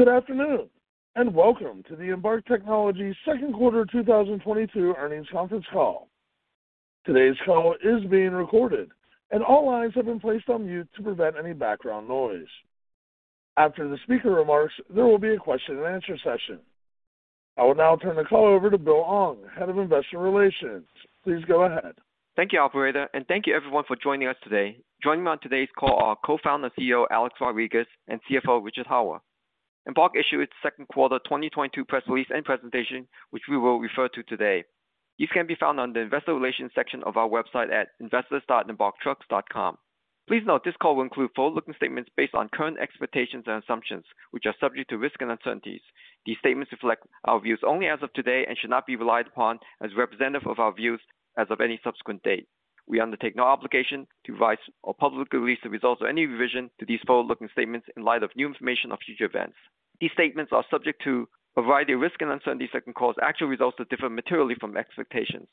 Good afternoon, and welcome to the Embark Technology second quarter 2022 earnings conference call. Today's call is being recorded, and all lines have been placed on mute to prevent any background noise. After the speaker remarks, there will be a question and answer session. I will now turn the call over to Bill Ong, Head of Investor Relations. Please go ahead. Thank you, operator, and thank you everyone for joining us today. Joining me on today's call are Co-founder and CEO Alex Rodrigues and CFO Richard Hawwa. Embark issued its second quarter 2022 press release and presentation, which we will refer to today. These can be found on the investor relations section of our website at investors.embarktrucks.com. Please note this call will include forward-looking statements based on current expectations and assumptions, which are subject to risk and uncertainties. These statements reflect our views only as of today and should not be relied upon as representative of our views as of any subsequent date. We undertake no obligation to revise or publicly release the results or any revision to these forward-looking statements in light of new information or future events. These statements are subject to a variety of risks and uncertainties that can cause actual results to differ materially from expectations.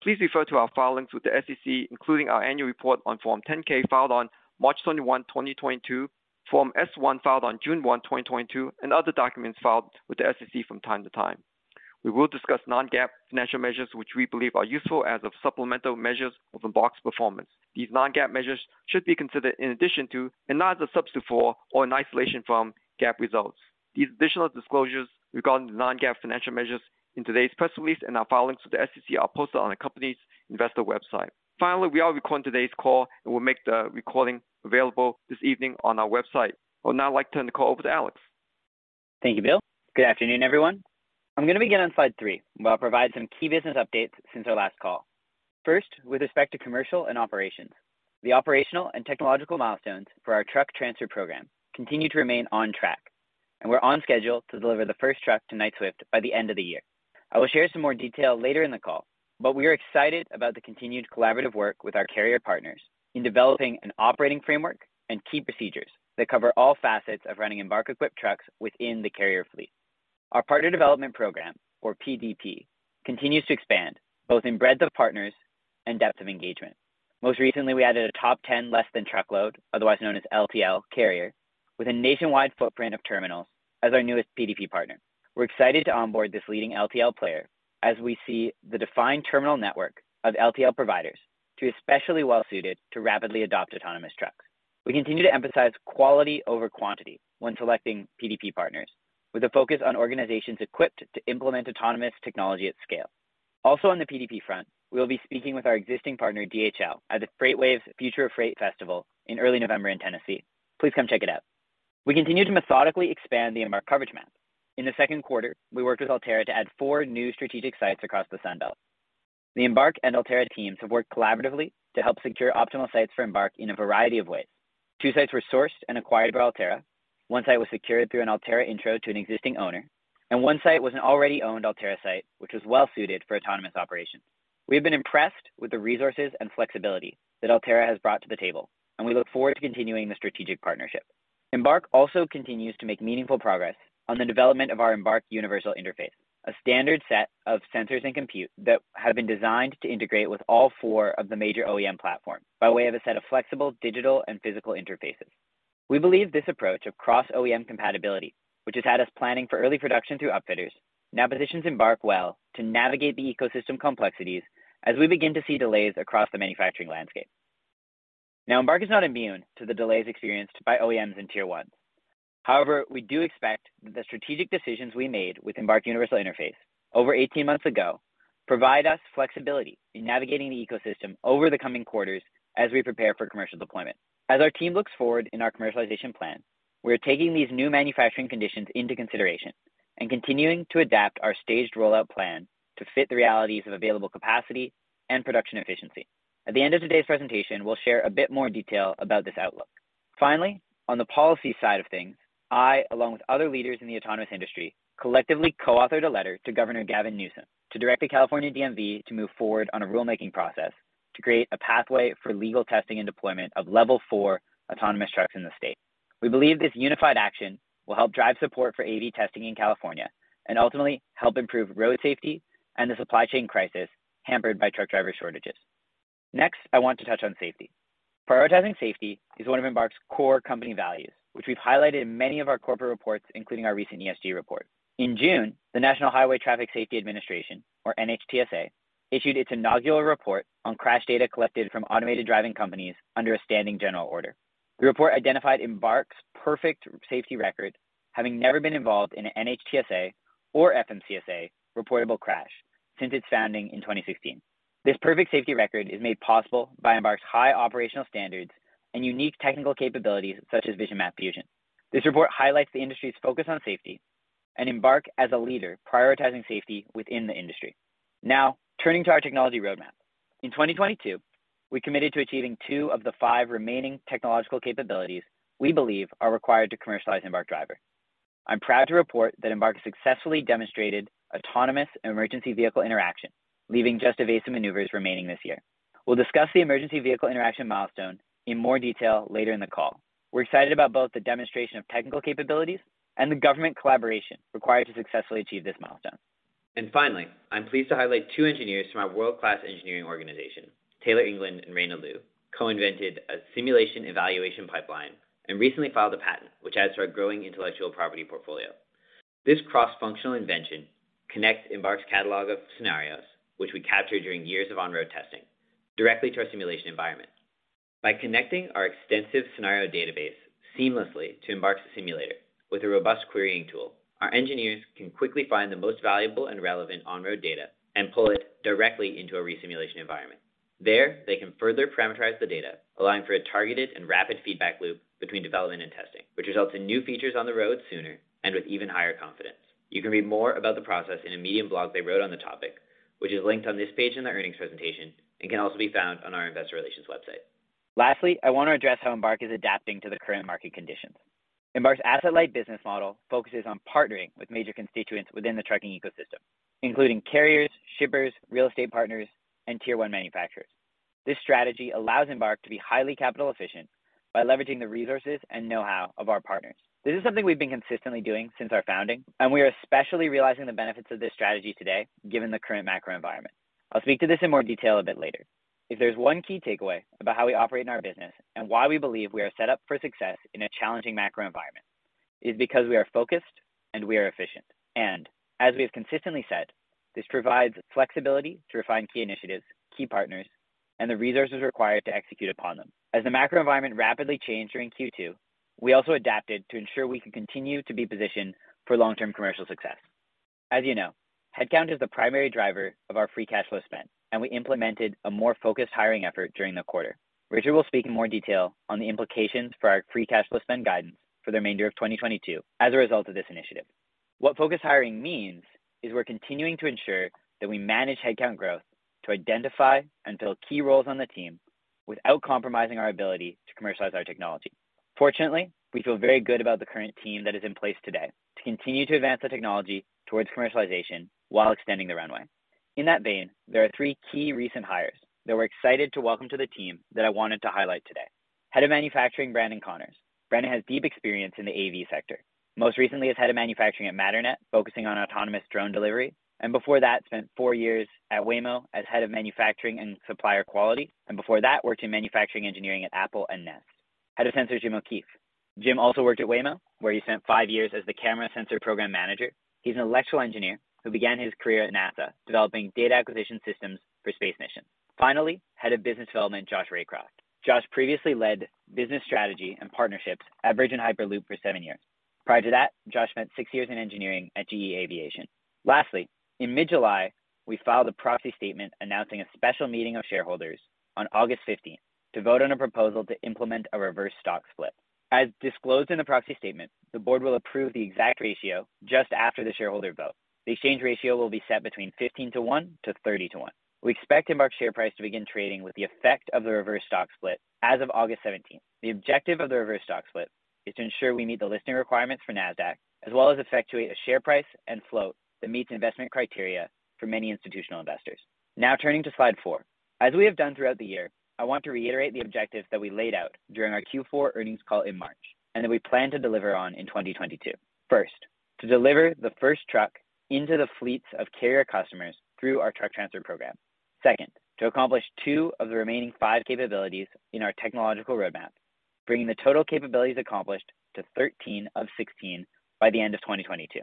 Please refer to our filings with the SEC, including our annual report on Form 10-K filed on March 21, 2022, Form S-1 filed on June 1, 2022, and other documents filed with the SEC from time to time. We will discuss non-GAAP financial measures, which we believe are useful as supplemental measures of Embark's performance. These non-GAAP measures should be considered in addition to, and not as a substitute for or in isolation from, GAAP results. These additional disclosures regarding the non-GAAP financial measures in today's press release and our filings with the SEC are posted on the company's investor website. Finally, we are recording today's call and will make the recording available this evening on our website. I would now like to turn the call over to Alex. Thank you, Bill. Good afternoon, everyone. I'm gonna begin on slide three, where I'll provide some key business updates since our last call. First, with respect to commercial and operations. The operational and technological milestones for our truck transfer program continue to remain on track, and we're on schedule to deliver the first truck to Knight-Swift by the end of the year. I will share some more detail later in the call, but we are excited about the continued collaborative work with our carrier partners in developing an operating framework and key procedures that cover all facets of running Embark-equipped trucks within the carrier fleet. Our partner development program, or PDP, continues to expand both in breadth of partners and depth of engagement. Most recently, we added a top ten less than truckload, otherwise known as LTL carrier, with a nationwide footprint of terminals as our newest PDP partner. We're excited to onboard this leading LTL player as we see the defined terminal network of LTL providers to be especially well suited to rapidly adopt autonomous trucks. We continue to emphasize quality over quantity when selecting PDP partners, with a focus on organizations equipped to implement autonomous technology at scale. Also on the PDP front, we'll be speaking with our existing partner, DHL, at the FreightWaves Future of Freight Festival in early November in Tennessee. Please come check it out. We continue to methodically expand the Embark Coverage Map. In the second quarter, we worked with Alterra to add four new strategic sites across the Sunbelt. The Embark and Alterra teams have worked collaboratively to help secure optimal sites for Embark in a variety of ways. Two sites were sourced and acquired by Alterra, one site was secured through an Alterra intro to an existing owner, and one site was an already owned Alterra site, which was well-suited for autonomous operations. We have been impressed with the resources and flexibility that Alterra has brought to the table, and we look forward to continuing the strategic partnership. Embark also continues to make meaningful progress on the development of our Embark Universal Interface, a standard set of sensors and compute that have been designed to integrate with all four of the major OEM platforms by way of a set of flexible digital and physical interfaces. We believe this approach of cross-OEM compatibility, which has had us planning for early production through upfitters, now positions Embark well to navigate the ecosystem complexities as we begin to see delays across the manufacturing landscape. Now, Embark is not immune to the delays experienced by OEMs and tier ones. However, we do expect that the strategic decisions we made with Embark Universal Interface over 18 months ago provide us flexibility in navigating the ecosystem over the coming quarters as we prepare for commercial deployment. As our team looks forward in our commercialization plan, we are taking these new manufacturing conditions into consideration and continuing to adapt our staged rollout plan to fit the realities of available capacity and production efficiency. At the end of today's presentation, we'll share a bit more detail about this outlook. Finally, on the policy side of things, I, along with other leaders in the autonomous industry, collectively co-authored a letter to Governor Gavin Newsom to direct the California DMV to move forward on a rulemaking process to create a pathway for legal testing and deployment of level four autonomous trucks in the state. We believe this unified action will help drive support for AV testing in California and ultimately help improve road safety and the supply chain crisis hampered by truck driver shortages. Next, I want to touch on safety. Prioritizing safety is one of Embark's core company values, which we've highlighted in many of our corporate reports, including our recent ESG report. In June, the National Highway Traffic Safety Administration, or NHTSA, issued its inaugural report on crash data collected from automated driving companies under a standing general order. The report identified Embark's perfect safety record, having never been involved in a NHTSA or FMCSA reportable crash since its founding in 2016. This perfect safety record is made possible by Embark's high operational standards and unique technical capabilities, such as Vision Map Fusion. This report highlights the industry's focus on safety and Embark as a leader prioritizing safety within the industry. Now, turning to our technology roadmap. In 2022, we committed to achieving two of the five remaining technological capabilities we believe are required to commercialize Embark Driver. I'm proud to report that Embark successfully demonstrated autonomous and emergency vehicle interaction, leaving just evasive maneuvers remaining this year. We'll discuss the emergency vehicle interaction milestone in more detail later in the call. We're excited about both the demonstration of technical capabilities and the government collaboration required to successfully achieve this milestone. Finally, I'm pleased to highlight two engineers from our world-class engineering organization. Taylor England and Raina Liu co-invented a simulation evaluation pipeline and recently filed a patent which adds to our growing intellectual property portfolio. This cross-functional invention connects Embark's catalog of scenarios, which we captured during years of on-road testing, directly to our simulation environment. By connecting our extensive scenario database seamlessly to Embark's simulator with a robust querying tool, our engineers can quickly find the most valuable and relevant on-road data and pull it directly into a resimulation environment. There, they can further parameterize the data, allowing for a targeted and rapid feedback loop between development and testing, which results in new features on the road sooner and with even higher confidence. You can read more about the process in a Medium blog they wrote on the topic, which is linked on this page in the earnings presentation and can also be found on our investor relations website. Lastly, I want to address how Embark is adapting to the current market conditions. Embark's asset-light business model focuses on partnering with major constituents within the trucking ecosystem, including carriers, shippers, real estate partners, and tier one manufacturers. This strategy allows Embark to be highly capital efficient by leveraging the resources and know-how of our partners. This is something we've been consistently doing since our founding, and we are especially realizing the benefits of this strategy today given the current macro environment. I'll speak to this in more detail a bit later. If there's one key takeaway about how we operate in our business and why we believe we are set up for success in a challenging macro environment is because we are focused and we are efficient. As we have consistently said, this provides flexibility to refine key initiatives, key partners, and the resources required to execute upon them. As the macro environment rapidly changed during Q2, we also adapted to ensure we could continue to be positioned for long-term commercial success. As you know, headcount is the primary driver of our free cash flow spend, and we implemented a more focused hiring effort during the quarter. Richard will speak in more detail on the implications for our free cash flow spend guidance for the remainder of 2022 as a result of this initiative. What focused hiring means is we're continuing to ensure that we manage headcount growth to identify and fill key roles on the team without compromising our ability to commercialize our technology. Fortunately, we feel very good about the current team that is in place today to continue to advance the technology towards commercialization while extending the runway. In that vein, there are three key recent hires that we're excited to welcome to the team that I wanted to highlight today. Head of Manufacturing, Brandon Connors. Brandon has deep experience in the AV sector, most recently as Head of Manufacturing at Matternet, focusing on autonomous drone delivery. Before that, spent four years at Waymo as Head of Manufacturing and Supplier Quality. Before that, worked in manufacturing engineering at Apple and Nest. Head of Sensors, Jim O'Keefe. Jim also worked at Waymo, where he spent five years as the Camera Sensor Program Manager. He's an electrical engineer who began his career at NASA, developing data acquisition systems for space missions. Finally, Head of Business Development, Josh Raycroft. Josh previously led business strategy and partnerships at Virgin Hyperloop for seven years. Prior to that, Josh spent six years in engineering at GE Aviation. Lastly, in mid-July, we filed a proxy statement announcing a special meeting of shareholders on August 15th to vote on a proposal to implement a reverse stock split. As disclosed in the proxy statement, the board will approve the exact ratio just after the shareholder vote. The exchange ratio will be set between 15-to-1 to 30-to-1. We expect Embark share price to begin trading with the effect of the reverse stock split as of August 17th. The objective of the reverse stock split is to ensure we meet the listing requirements for Nasdaq, as well as effectuate a share price and float that meets investment criteria for many institutional investors. Now turning to slide four. As we have done throughout the year, I want to reiterate the objectives that we laid out during our Q4 earnings call in March, and that we plan to deliver on in 2022. First, to deliver the first truck into the fleets of carrier customers through our truck transfer program. Second, to accomplish two of the remaining five capabilities in our technological roadmap, bringing the total capabilities accomplished to 13 of 16 by the end of 2022.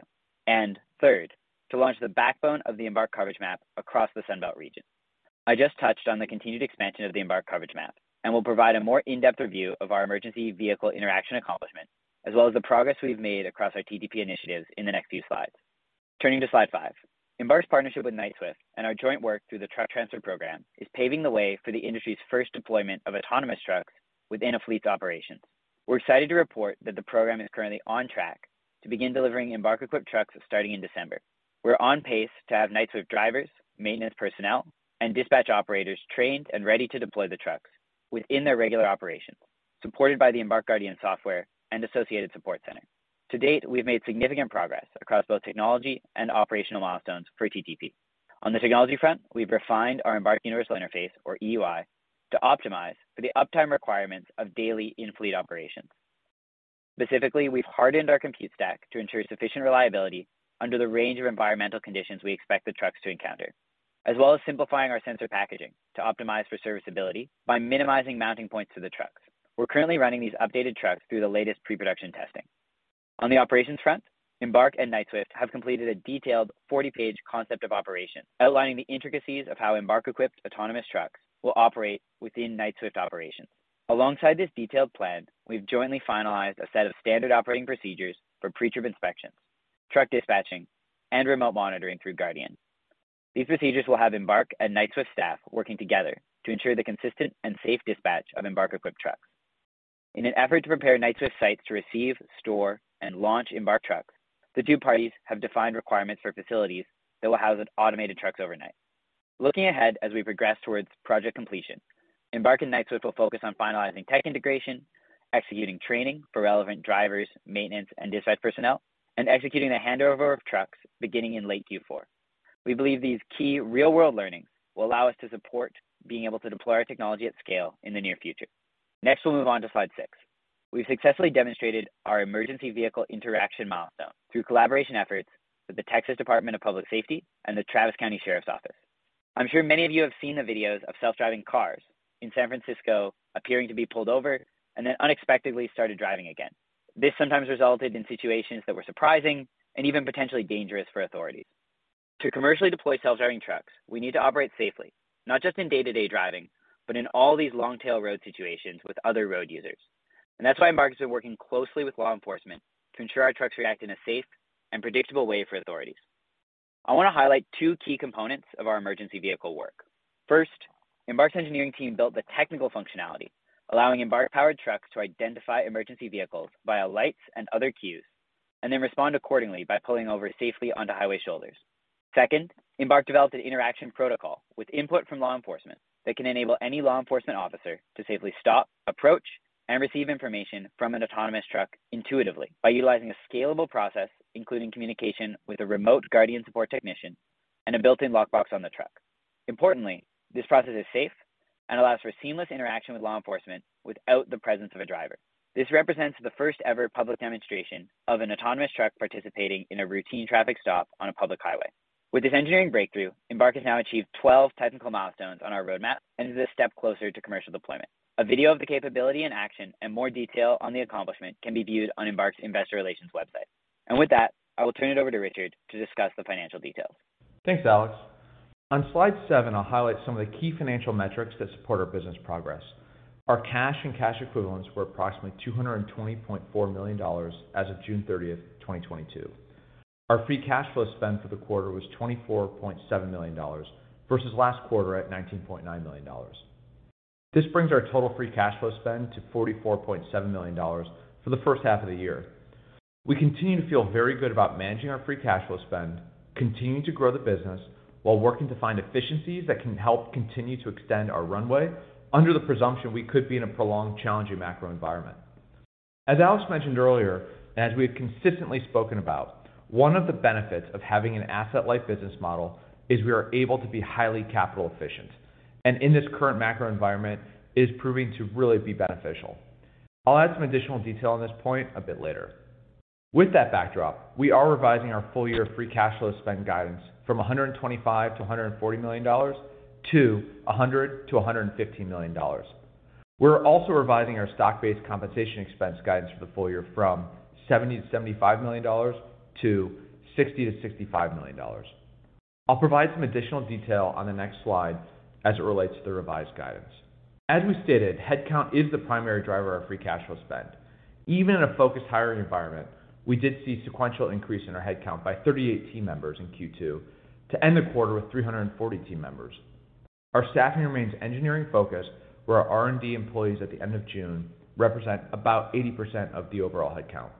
Third, to launch the backbone of the Embark Coverage Map across the Sunbelt region. I just touched on the continued expansion of the Embark Coverage Map and will provide a more in-depth review of our emergency vehicle interaction accomplishment, as well as the progress we've made across our TTP initiatives in the next few slides. Turning to slide five. Embark's partnership with Knight-Swift and our joint work through the truck transfer program is paving the way for the industry's first deployment of autonomous trucks within a fleet operation. We're excited to report that the program is currently on track to begin delivering Embark-equipped trucks starting in December. We're on pace to have Knight-Swift drivers, maintenance personnel, and dispatch operators trained and ready to deploy the trucks within their regular operation, supported by the Embark Guardian software and associated support center. To date, we've made significant progress across both technology and operational milestones for TTP. On the technology front, we've refined our Embark Universal Interface, or EUI, to optimize for the uptime requirements of daily in-fleet operations. Specifically, we've hardened our compute stack to ensure sufficient reliability under the range of environmental conditions we expect the trucks to encounter, as well as simplifying our sensor packaging to optimize for serviceability by minimizing mounting points to the trucks. We're currently running these updated trucks through the latest pre-production testing. On the operations front, Embark and Knight-Swift have completed a detailed 40-page concept of operation outlining the intricacies of how Embark-equipped autonomous trucks will operate within Knight-Swift operations. Alongside this detailed plan, we've jointly finalized a set of standard operating procedures for pre-trip inspections, truck dispatching, and remote monitoring through Guardian. These procedures will have Embark and Knight-Swift staff working together to ensure the consistent and safe dispatch of Embark-equipped trucks. In an effort to prepare Knight-Swift sites to receive, store, and launch Embark trucks, the two parties have defined requirements for facilities that will house automated trucks overnight. Looking ahead as we progress towards project completion, Embark and Knight-Swift will focus on finalizing tech integration, executing training for relevant drivers, maintenance, and dispatch personnel, and executing the handover of trucks beginning in late Q4. We believe these key real-world learnings will allow us to support being able to deploy our technology at scale in the near future. Next, we'll move on to slide six. We've successfully demonstrated our emergency vehicle interaction milestone through collaboration efforts with the Texas Department of Public Safety and the Travis County Sheriff's Office. I'm sure many of you have seen the videos of self-driving cars in San Francisco appearing to be pulled over and then unexpectedly started driving again. This sometimes resulted in situations that were surprising and even potentially dangerous for authorities. To commercially deploy self-driving trucks, we need to operate safely, not just in day-to-day driving, but in all these long-tail road situations with other road users. That's why Embark has been working closely with law enforcement to ensure our trucks react in a safe and predictable way for authorities. I want to highlight two key components of our emergency vehicle work. First, Embark's engineering team built the technical functionality, allowing Embark-powered trucks to identify emergency vehicles via lights and other cues, and then respond accordingly by pulling over safely onto highway shoulders. Second, Embark developed an interaction protocol with input from law enforcement that can enable any law enforcement officer to safely stop, approach, and receive information from an autonomous truck intuitively by utilizing a scalable process, including communication with a remote Guardian support technician and a built-in lockbox on the truck. Importantly, this process is safe and allows for seamless interaction with law enforcement without the presence of a driver. This represents the first-ever public demonstration of an autonomous truck participating in a routine traffic stop on a public highway. With this engineering breakthrough, Embark has now achieved 12 technical milestones on our roadmap and is a step closer to commercial deployment. A video of the capability in action and more detail on the accomplishment can be viewed on Embark's investor relations website. With that, I will turn it over to Richard to discuss the financial details. Thanks, Alex. On slide seven, I'll highlight some of the key financial metrics that support our business progress. Our cash and cash equivalents were approximately $220.4 million as of June 30, 2022. Our free cash flow spend for the quarter was $24.7 million versus last quarter at $19.9 million. This brings our total free cash flow spend to $44.7 million for the first half of the year. We continue to feel very good about managing our free cash flow spend, continuing to grow the business while working to find efficiencies that can help continue to extend our runway under the presumption we could be in a prolonged, challenging macro environment. As Alex mentioned earlier, as we have consistently spoken about, one of the benefits of having an asset-light business model is we are able to be highly capital efficient, and in this current macro environment is proving to really be beneficial. I'll add some additional detail on this point a bit later. With that backdrop, we are revising our full-year free cash flow spend guidance from $125 million-$140 million to $100 million-$115 million. We're also revising our stock-based compensation expense guidance for the full year from $70 million-$75 million to $60 million-$65 million. I'll provide some additional detail on the next slide as it relates to the revised guidance. As we stated, headcount is the primary driver of free cash flow spend. Even in a focused hiring environment, we did see sequential increase in our headcount by 38 team members in Q2 to end the quarter with 340 team members. Our staffing remains engineering-focused, where our R&D employees at the end of June represent about 80% of the overall headcount.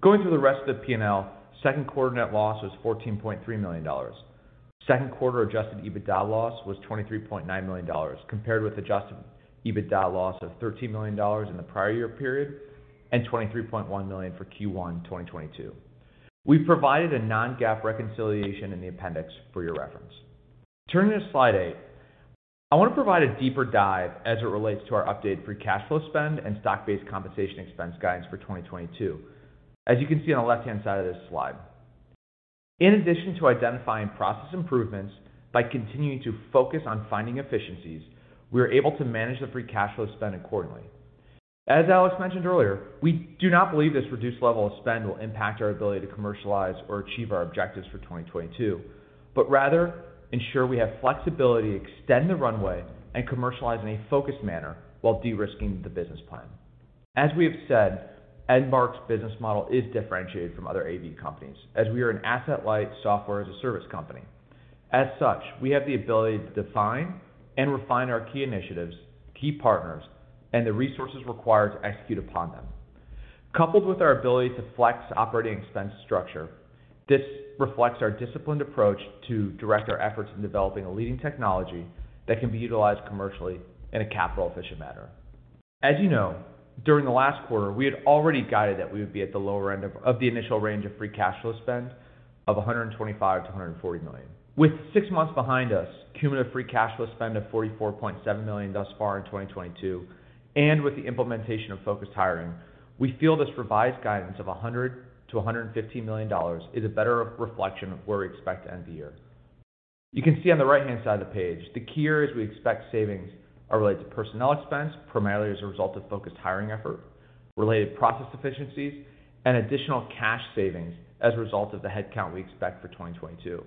Going through the rest of the P&L, second quarter net loss was $14.3 million. Second quarter Adjusted EBITDA loss was $23.9 million, compared with Adjusted EBITDA loss of $13 million in the prior year period and $23.1 million for Q1 2022. We provided a non-GAAP reconciliation in the appendix for your reference. Turning to slide eight, I want to provide a deeper dive as it relates to our updated free cash flow spend and stock-based compensation expense guidance for 2022, as you can see on the left-hand side of this slide. In addition to identifying process improvements by continuing to focus on finding efficiencies, we are able to manage the free cash flow spend accordingly. As Alex mentioned earlier, we do not believe this reduced level of spend will impact our ability to commercialize or achieve our objectives for 2022, but rather ensure we have flexibility to extend the runway and commercialize in a focused manner while de-risking the business plan. As we have said, Embark's business model is differentiated from other AV companies as we are an asset-light software as a service company. As such, we have the ability to define and refine our key initiatives, key partners, and the resources required to execute upon them. Coupled with our ability to flex operating expense structure, this reflects our disciplined approach to direct our efforts in developing a leading technology that can be utilized commercially in a capital efficient manner. As you know, during the last quarter, we had already guided that we would be at the lower end of the initial range of free cash flow spend of $125 million-$140 million. With six months behind us, cumulative free cash flow spend of $44.7 million thus far in 2022, and with the implementation of focused hiring, we feel this revised guidance of $100 million-$115 million is a better reflection of where we expect to end the year. You can see on the right-hand side of the page the key areas we expect savings are related to personnel expense, primarily as a result of focused hiring effort, related process efficiencies and additional cash savings as a result of the headcount we expect for 2022.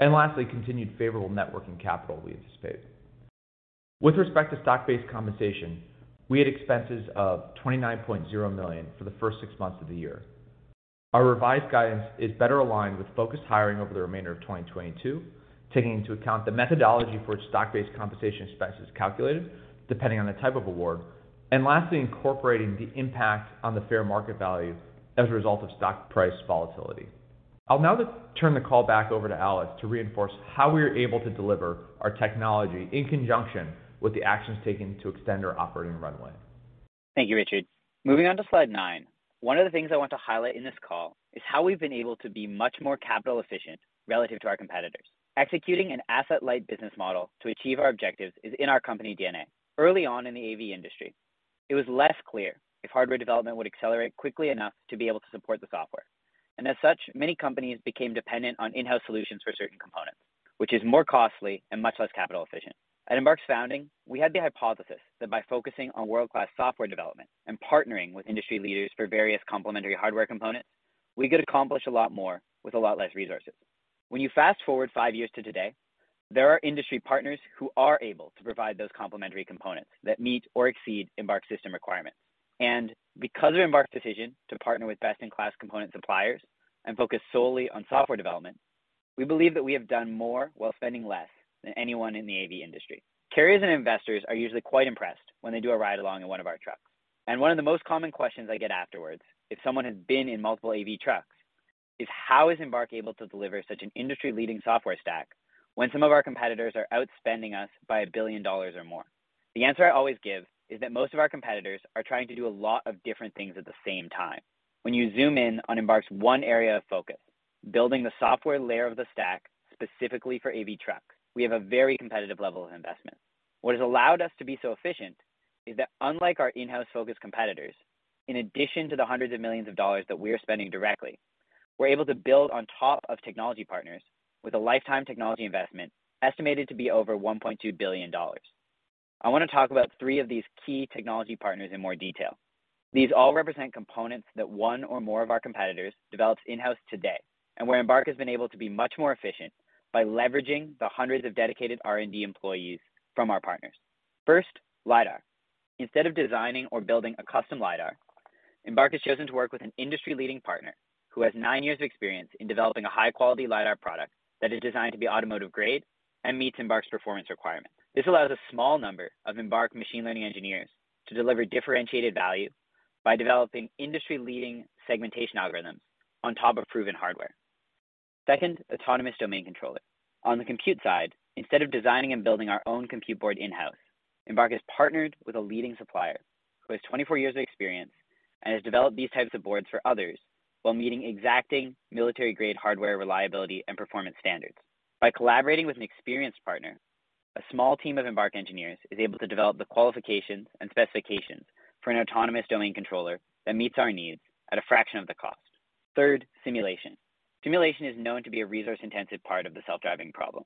Lastly, continued favorable net working capital we anticipate. With respect to stock-based compensation, we had expenses of $29.0 million for the first six months of the year. Our revised guidance is better aligned with focused hiring over the remainder of 2022, taking into account the methodology for stock-based compensation expenses calculated depending on the type of award, and lastly, incorporating the impact on the fair market value as a result of stock price volatility. I'll now turn the call back over to Alex to reinforce how we are able to deliver our technology in conjunction with the actions taken to extend our operating runway. Thank you, Richard. Moving on to slide nine. One of the things I want to highlight in this call is how we've been able to be much more capital efficient relative to our competitors. Executing an asset-light business model to achieve our objectives is in our company DNA. Early on in the AV industry, it was less clear if hardware development would accelerate quickly enough to be able to support the software. As such, many companies became dependent on in-house solutions for certain components, which is more costly and much less capital efficient. At Embark's founding, we had the hypothesis that by focusing on world-class software development and partnering with industry leaders for various complementary hardware components, we could accomplish a lot more with a lot less resources. When you fast-forward five years to today, there are industry partners who are able to provide those complementary components that meet or exceed Embark system requirements. Because of Embark's decision to partner with best-in-class component suppliers and focus solely on software development, we believe that we have done more while spending less than anyone in the AV industry. Carriers and investors are usually quite impressed when they do a ride-along in one of our trucks. One of the most common questions I get afterwards, if someone has been in multiple AV trucks, is how is Embark able to deliver such an industry-leading software stack when some of our competitors are outspending us by $1 billion or more? The answer I always give is that most of our competitors are trying to do a lot of different things at the same time. When you zoom in on Embark's one area of focus, building the software layer of the stack specifically for AV trucks, we have a very competitive level of investment. What has allowed us to be so efficient is that unlike our in-house focused competitors, in addition to the $hundreds of millions that we are spending directly, we're able to build on top of technology partners with a lifetime technology investment estimated to be over $1.2 billion. I want to talk about three of these key technology partners in more detail. These all represent components that one or more of our competitors develops in-house today, and where Embark has been able to be much more efficient by leveraging the hundreds of dedicated R&D employees from our partners. First, lidar. Instead of designing or building a custom lidar, Embark has chosen to work with an industry-leading partner who has nine years of experience in developing a high-quality lidar product that is designed to be automotive-grade and meets Embark's performance requirements. This allows a small number of Embark machine learning engineers to deliver differentiated value by developing industry-leading segmentation algorithms on top of proven hardware. Second, autonomous domain controller. On the compute side, instead of designing and building our own compute board in-house, Embark has partnered with a leading supplier who has 24 years of experience and has developed these types of boards for others while meeting exacting military-grade hardware reliability and performance standards. By collaborating with an experienced partner, a small team of Embark engineers is able to develop the qualifications and specifications for an autonomous domain controller that meets our needs at a fraction of the cost. Third, simulation. Simulation is known to be a resource-intensive part of the self-driving problem.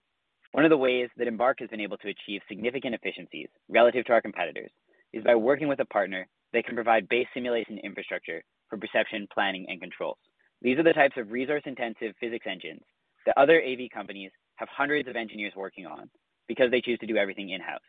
One of the ways that Embark has been able to achieve significant efficiencies relative to our competitors is by working with a partner that can provide base simulation infrastructure for perception, planning, and control. These are the types of resource-intensive physics engines that other AV companies have hundreds of engineers working on because they choose to do everything in-house,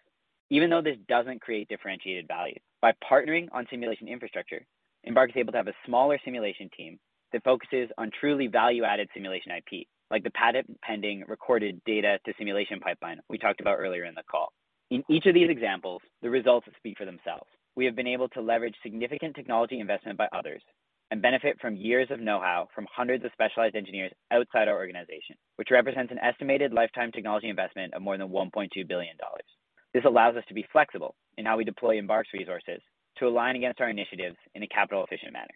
even though this doesn't create differentiated value. By partnering on simulation infrastructure, Embark is able to have a smaller simulation team that focuses on truly value-added simulation IP, like the patent-pending recorded data to simulation pipeline we talked about earlier in the call. In each of these examples, the results speak for themselves. We have been able to leverage significant technology investment by others and benefit from years of know-how from hundreds of specialized engineers outside our organization, which represents an estimated lifetime technology investment of more than $1.2 billion. This allows us to be flexible in how we deploy Embark's resources to align against our initiatives in a capital efficient manner.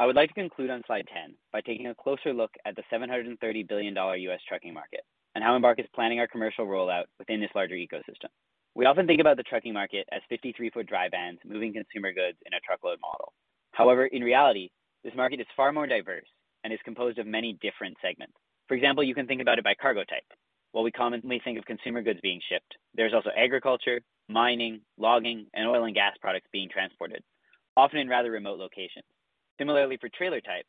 I would like to conclude on slide 10 by taking a closer look at the $730 billion U.S. trucking market and how Embark is planning our commercial rollout within this larger ecosystem. We often think about the trucking market as 53-foot dry vans moving consumer goods in a truckload model. However, in reality, this market is far more diverse and is composed of many different segments. For example, you can think about it by cargo type. While we commonly think of consumer goods being shipped, there's also agriculture, mining, logging, and oil and gas products being transported, often in rather remote locations. Similarly for trailer type,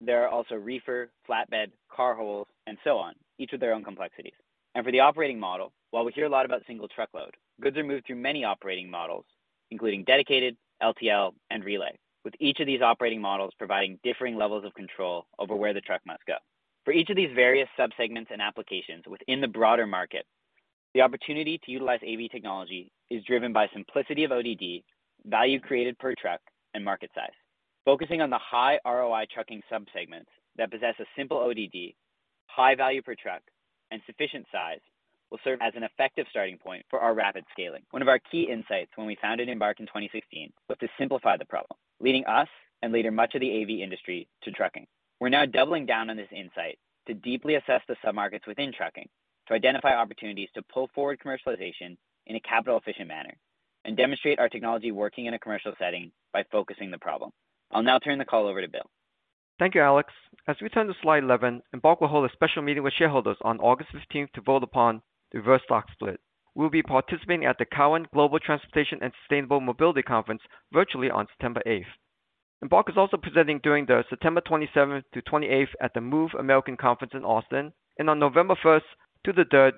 there are also reefer, flatbed, car hauls, and so on, each with their own complexities. For the operating model, while we hear a lot about single truckload, goods are moved through many operating models, including dedicated, LTL, and relay, with each of these operating models providing differing levels of control over where the truck must go. For each of these various subsegments and applications within the broader market, the opportunity to utilize AV technology is driven by simplicity of ODD, value created per truck, and market size. Focusing on the high ROI trucking subsegments that possess a simple ODD, high value per truck, and sufficient size will serve as an effective starting point for our rapid scaling. One of our key insights when we founded Embark in 2016 was to simplify the problem, leading us and later much of the AV industry to trucking. We're now doubling down on this insight to deeply assess the submarkets within trucking to identify opportunities to pull forward commercialization in a capital efficient manner and demonstrate our technology working in a commercial setting by focusing the problem. I'll now turn the call over to Bill. Thank you, Alex. As we turn to slide 11, Embark will hold a special meeting with shareholders on August 15 to vote upon the reverse stock split. We'll be participating at the Cowen Global Transportation and Sustainable Mobility Conference virtually on September 8. Embark is also presenting during the September 27-28 at the MOVE America Conference in Austin. On November 1-3,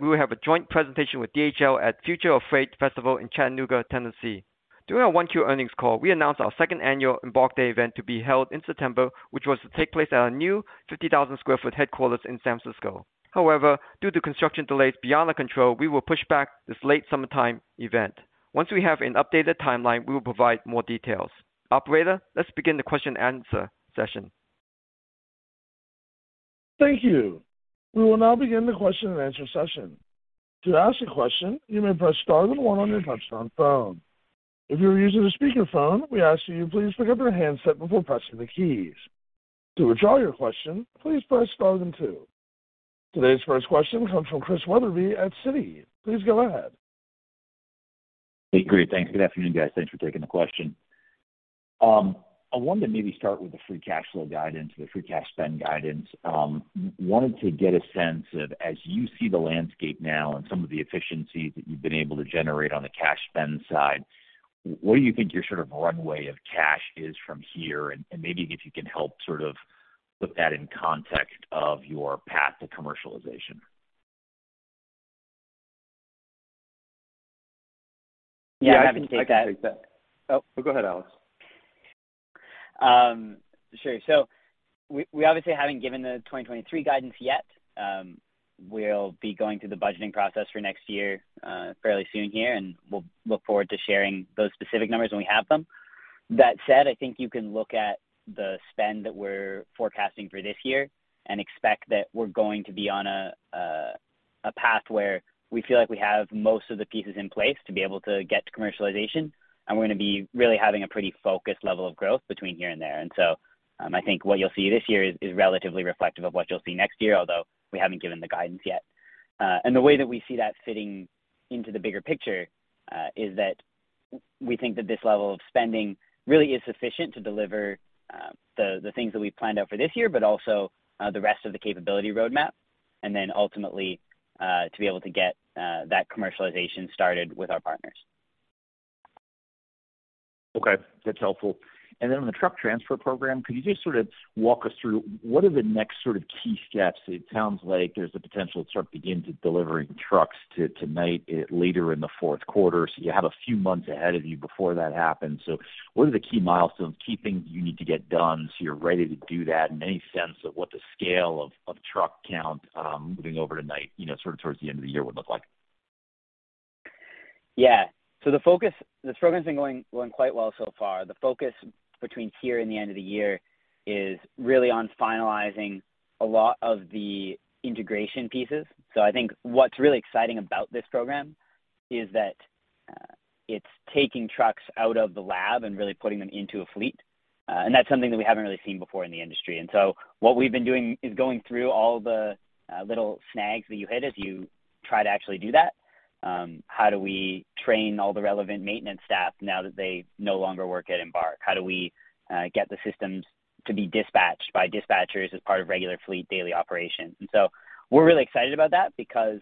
we will have a joint presentation with DHL at Future of Freight Festival in Chattanooga, Tennessee. During our Q1 earnings call, we announced our second annual Embark Day event to be held in September, which was to take place at our new 50,000-square-foot headquarters in San Francisco. However, due to construction delays beyond our control, we will push back this late summertime event. Once we have an updated timeline, we will provide more details. Operator, let's begin the question and answer session. Thank you. We will now begin the question and answer session. To ask a question, you may press star then one on your touchtone phone. If you are using a speaker phone, we ask that you please pick up your handset before pressing the keys. To withdraw your question, please press star then two. Today's first question comes from Christian Wetherbee at Citi. Please go ahead. Hey, great. Thanks. Good afternoon, guys. Thanks for taking the question. I wanted to maybe start with the free cash flow guidance, the free cash spend guidance. I wanted to get a sense of, as you see the landscape now and some of the efficiencies that you've been able to generate on the cash spend side, what do you think your sort of runway of cash is from here? Maybe if you can help sort of put that in context of your path to commercialization. Yeah, I can take that. Yeah, I can take that. Oh, go ahead, Alex. Sure. We obviously haven't given the 2023 guidance yet. We'll be going through the budgeting process for next year, fairly soon here, and we'll look forward to sharing those specific numbers when we have them. That said, I think you can look at the spend that we're forecasting for this year and expect that we're going to be on a path where we feel like we have most of the pieces in place to be able to get to commercialization, and we're gonna be really having a pretty focused level of growth between here and there. I think what you'll see this year is relatively reflective of what you'll see next year, although we haven't given the guidance yet. The way that we see that fitting into the bigger picture is that we think that this level of spending really is sufficient to deliver the things that we planned out for this year, but also the rest of the capability roadmap, and then ultimately to be able to get that commercialization started with our partners. Okay. That's helpful. Then on the truck transfer program, could you just sort of walk us through what are the next sort of key steps? It sounds like there's the potential to start beginning delivering trucks to Knight later in the fourth quarter. You have a few months ahead of you before that happens. What are the key milestones, key things you need to get done so you're ready to do that, and any sense of what the scale of truck count moving over to Knight, you know, sort of towards the end of the year would look like? Yeah. The focus, this program's been going quite well so far. The focus between here and the end of the year is really on finalizing a lot of the integration pieces. I think what's really exciting about this program is that, it's taking trucks out of the lab and really putting them into a fleet, and that's something that we haven't really seen before in the industry. What we've been doing is going through all the little snags that you hit as you try to actually do that. How do we train all the relevant maintenance staff now that they no longer work at Embark? How do we get the systems to be dispatched by dispatchers as part of regular fleet daily operations? We're really excited about that because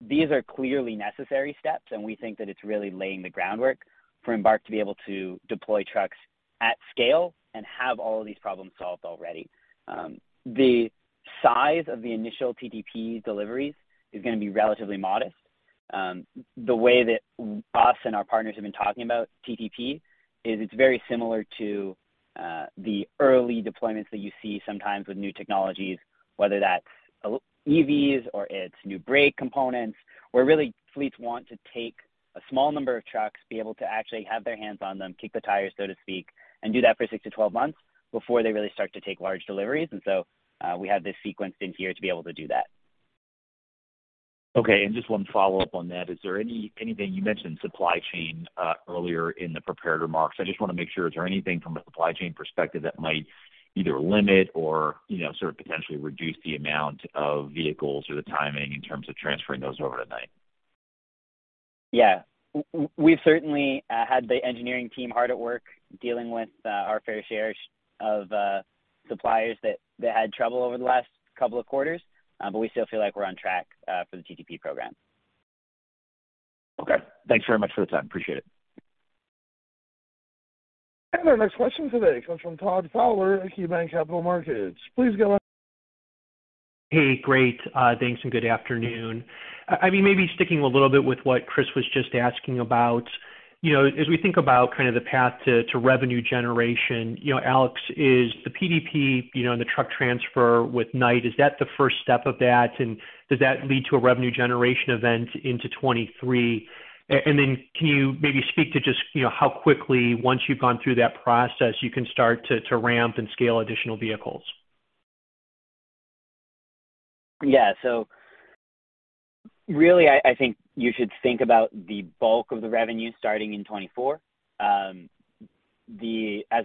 these are clearly necessary steps, and we think that it's really laying the groundwork for Embark to be able to deploy trucks at scale and have all of these problems solved already. The size of the initial TTP deliveries is gonna be relatively modest. The way that we and our partners have been talking about TTP is it's very similar to the early deployments that you see sometimes with new technologies, whether that's EVs or it's new brake components, where really fleets want to take a small number of trucks, be able to actually have their hands on them, kick the tires, so to speak, and do that for 6-12 months before they really start to take large deliveries. We have this sequenced in here to be able to do that. Okay. Just one follow-up on that. Is there anything? You mentioned supply chain earlier in the prepared remarks. I just wanna make sure, is there anything from a supply chain perspective that might either limit or, you know, sort of potentially reduce the amount of vehicles or the timing in terms of transferring those over to Knight? We've certainly had the engineering team hard at work dealing with our fair share of suppliers that had trouble over the last couple of quarters. We still feel like we're on track for the TTP program. Okay. Thanks very much for the time. Appreciate it. Our next question today comes from Todd Fowler at KeyBanc Capital Markets. Please go ahead. Hey. Great. Thanks, and good afternoon. I mean, maybe sticking a little bit with what Chris was just asking about, you know, as we think about kind of the path to revenue generation, you know, Alex, is the PDP, you know, and the truck transfer with Knight-Swift, is that the first step of that? And does that lead to a revenue generation event into 2023? And then can you maybe speak to just, you know, how quickly once you've gone through that process you can start to ramp and scale additional vehicles? Yeah. Really, I think you should think about the bulk of the revenue starting in 2024. As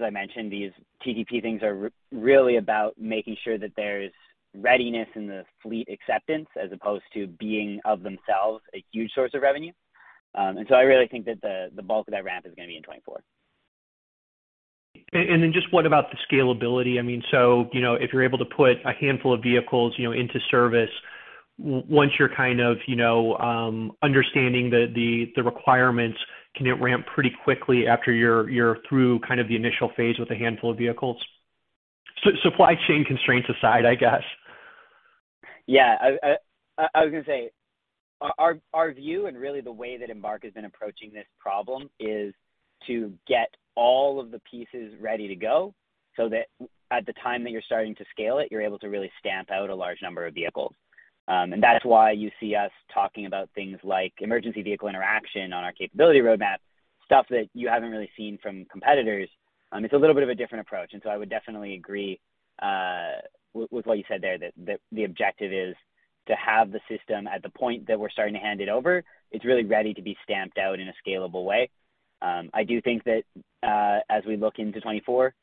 I mentioned, these TTP things are really about making sure that there's readiness in the fleet acceptance as opposed to being of themselves a huge source of revenue. I really think that the bulk of that ramp is gonna be in 2024. What about the scalability? I mean, so, you know, if you're able to put a handful of vehicles, you know, into service, once you're kind of, you know, understanding the requirements, can it ramp pretty quickly after you're through kind of the initial phase with a handful of vehicles? Supply chain constraints aside, I guess. Yeah. I was gonna say, our view and really the way that Embark has been approaching this problem is to get all of the pieces ready to go so that at the time that you're starting to scale it, you're able to really stamp out a large number of vehicles. That's why you see us talking about things like emergency vehicle interaction on our capability roadmap, stuff that you haven't really seen from competitors. It's a little bit of a different approach, and so I would definitely agree with what you said there, that the objective is to have the system at the point that we're starting to hand it over. It's really ready to be stamped out in a scalable way. I do think that, as we look into 2024,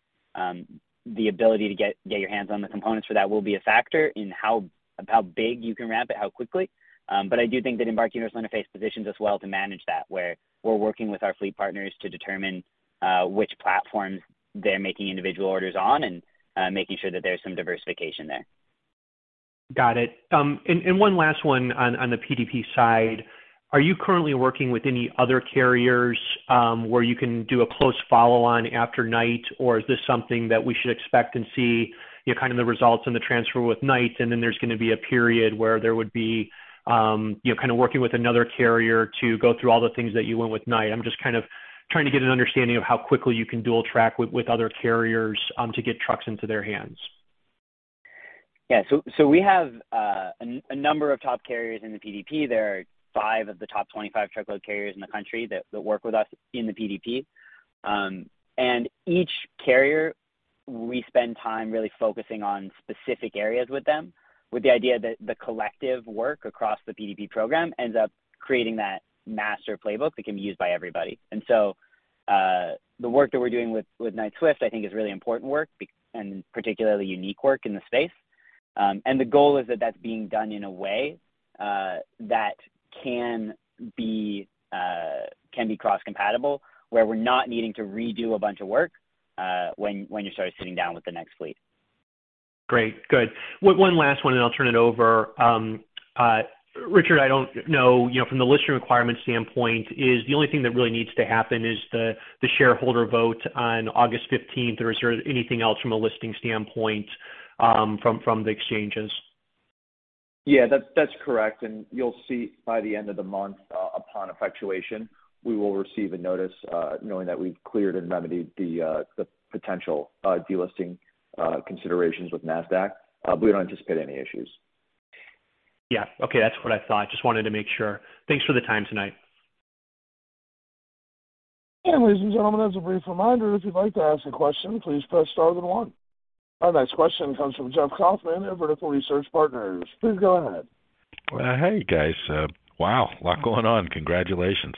the ability to get your hands on the components for that will be a factor in how big you can ramp it, how quickly. I do think that Embark Universal Interface positions us well to manage that, where we're working with our fleet partners to determine which platforms they're making individual orders on and making sure that there's some diversification there. Got it. And one last one on the PDP side. Are you currently working with any other carriers where you can do a close follow on after Knight-Swift? Or is this something that we should expect and see, you know, kind of the results and the transfer with Knight-Swift, and then there's gonna be a period where there would be, you know, kind of working with another carrier to go through all the things that you went with Knight-Swift? I'm just kind of trying to get an understanding of how quickly you can dual track with other carriers to get trucks into their hands. We have a number of top carriers in the PDP. There are five of the top 25 truckload carriers in the country that work with us in the PDP. Each carrier, we spend time really focusing on specific areas with them, with the idea that the collective work across the PDP program ends up creating that master playbook that can be used by everybody. The work that we're doing with Knight-Swift, I think is really important work and particularly unique work in the space. The goal is that that's being done in a way that can be cross-compatible, where we're not needing to redo a bunch of work when you start sitting down with the next fleet. Great. Good. One last one, and I'll turn it over. Richard, I don't know, you know, from the listing requirement standpoint, is the only thing that really needs to happen the shareholder vote on August fifteenth? Or is there anything else from a listing standpoint, from the exchanges? Yeah, that's correct. You'll see by the end of the month, upon effectuation, we will receive a notice, knowing that we've cleared and remedied the potential delisting considerations with Nasdaq. We don't anticipate any issues. Yeah. Okay, that's what I thought. Just wanted to make sure. Thanks for the time tonight. Ladies and gentlemen, as a brief reminder, if you'd like to ask a question, please press star then one. Our next question comes from Jeff Kauffman of Vertical Research Partners. Please go ahead. Well, hey, guys. Wow, a lot going on. Congratulations.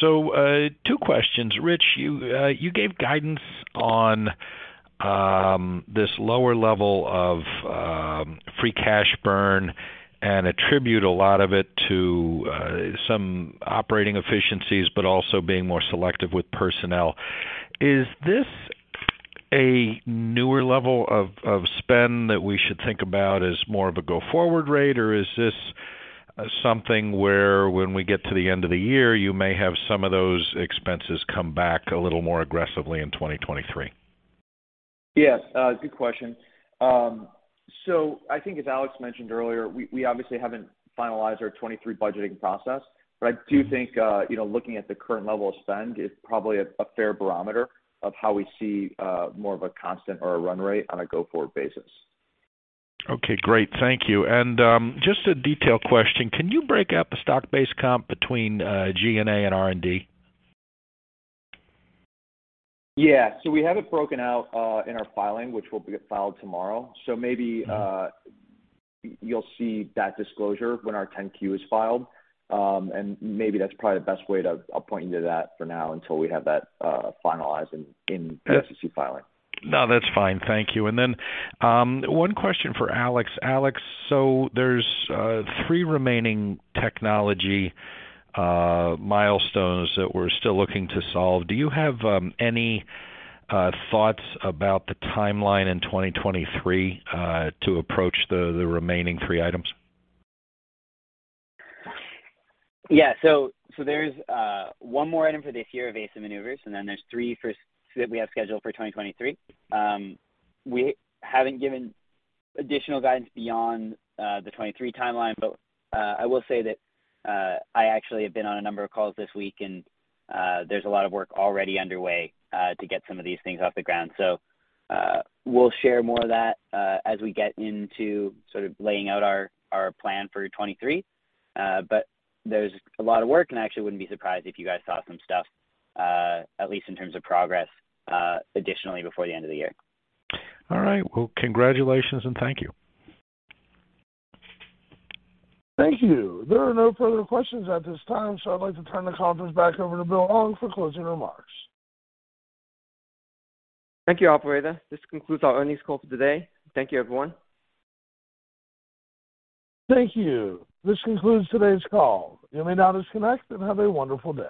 So, two questions. Rich, you gave guidance on this lower level of free cash burn and attribute a lot of it to some operating efficiencies, but also being more selective with personnel. Is this a newer level of spend that we should think about as more of a go-forward rate, or is this something where when we get to the end of the year, you may have some of those expenses come back a little more aggressively in 2023? Yes. Good question. I think, as Alex mentioned earlier, we obviously haven't finalized our 2023 budgeting process, but I do think, you know, looking at the current level of spend is probably a fair barometer of how we see more of a constant or a run rate on a go-forward basis. Okay, great. Thank you. Just a detail question. Can you break out the stock-based comp between G&A and R&D? Yeah. We have it broken out in our filing, which will be filed tomorrow. Maybe you'll see that disclosure when our Form 10-Q is filed. Maybe that's probably the best way. I'll point you to that for now until we have that finalized in SEC filing. No, that's fine. Thank you. One question for Alex. Alex, so there's three remaining technology milestones that we're still looking to solve. Do you have any thoughts about the timeline in 2023 to approach the remaining three items? Yeah. So there's one more item for this year, evasive maneuvers, and then there's three that we have scheduled for 2023. We haven't given additional guidance beyond the 2023 timeline, but I will say that I actually have been on a number of calls this week, and there's a lot of work already underway to get some of these things off the ground. We'll share more of that as we get into sort of laying out our plan for 2023. There's a lot of work, and I actually wouldn't be surprised if you guys saw some stuff at least in terms of progress additionally before the end of the year. All right. Well, congratulations, and thank you. Thank you. There are no further questions at this time, so I'd like to turn the conference back over to Bill Ong for closing remarks. Thank you, operator. This concludes our earnings call for today. Thank you, everyone. Thank you. This concludes today's call. You may now disconnect and have a wonderful day.